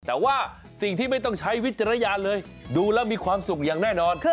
แต่ว่าสิ่งที่ไม่ต้องใช้วิจารณญาณเลยดูแล้วมีความสุขอย่างแน่นอน